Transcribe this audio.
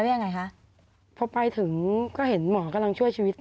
ตอนนั้นก็เห็นหมอกำลังช่วยชีวิต